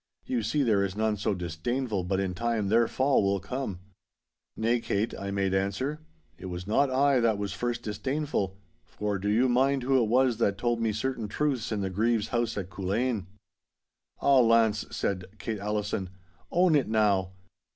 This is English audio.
You see there is none so disdainful but in time their fall will come.' 'Nay, Kate,' I made answer, 'it was not I that was first disdainful, for do you mind who it was that told me certain truths in the Grieve's house at Culzean?' 'Ah Launce!' said Kate Allison, 'own it now.